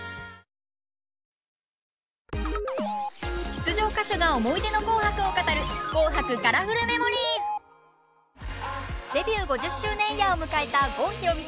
出場歌手が思い出の「紅白」を語るデビュー５０周年イヤーを迎えた郷ひろみさん。